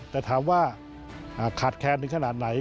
แต่ถามว่าขาดแคลนถึงขนาดไหน